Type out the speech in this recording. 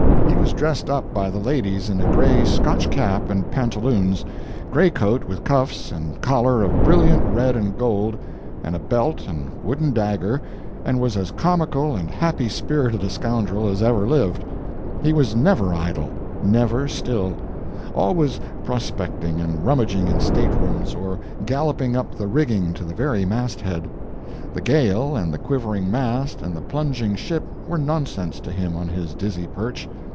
He was dressed up by the ladies in a gray Scotch cap and pantaloons, gray coat with cuffs and collar of brilliant red and gold, and a belt and wooden dagger, and was as comical and happy spirited a scoundrel as ever lived. He was never idle—never still; always prospecting and rummaging in staterooms or galloping up the rigging to the very masthead. The gale, and the quivering mast, and the plunging ship, were nonsense to him on his dizzy perch.